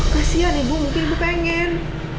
kasian ibu mungkin ibu pengen